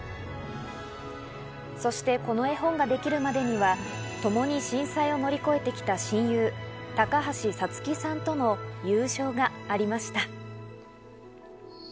そしてこの絵本ができるまでにはともに震災を乗り越えてきた親友・高橋さつきさんとの友情がありました。